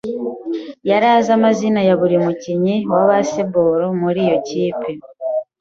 yari azi amazina ya buri mukinnyi wa baseball muri iyo kipe.